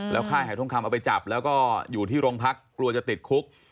ค่ายหายทองคำเอาไปจับแล้วก็อยู่ที่โรงพักกลัวจะติดคุก